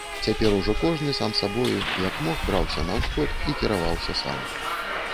Цяпер ужо кожны сам сабою, як мог, браўся на ўсход і кіраваўся сам.